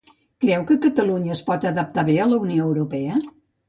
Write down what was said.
Creu que Catalunya es pot adaptar bé a la Unió Europea?